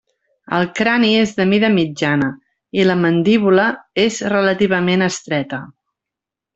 El crani és de mida mitjana i la mandíbula és relativament estreta.